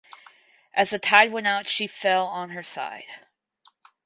As the tide went out she fell on her side.